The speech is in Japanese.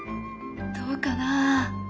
どうかな？